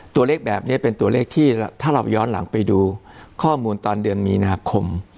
ตัวเลขแบบนี้เป็นตัวเลขที่ถ้าเราย้อนหลังไปดูข้อมูลตอนเดือนมีนาคม